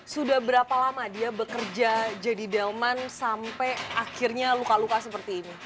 sudah berapa lama dia bekerja jadi delman sampai akhirnya luka luka seperti ini